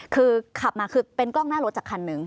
คือขับมาคือเป็นกล้องหน้ารถจากคันหนึ่ง